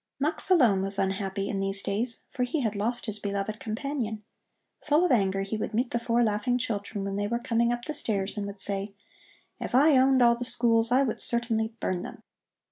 Mux alone was unhappy in these days, for he had lost his beloved companion. Full of anger, he would meet the four laughing school children when they were coming up the stairs and would say: "If I owned all the schools I would certainly burn them."